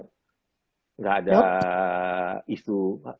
tidak ada isu